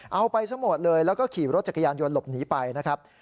เอาไปซะหมดเลยแล้วก็ขี่รถจักรยานยนต์หลบหนีไปนะครับ